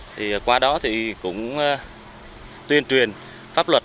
thì qua đó thì cũng tuyên truyền pháp luật